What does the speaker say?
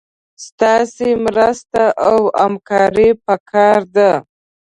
ستاسي مرسته او همکاري پکار ده